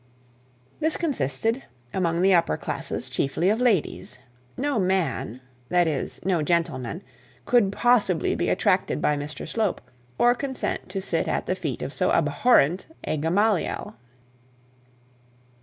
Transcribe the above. This consisted, among the upper classes, chiefly of ladies. No man that is, no gentleman could possibly be attracted by Mr Slope, or consent to sit at the feet of so abhorrent a Gamaliel.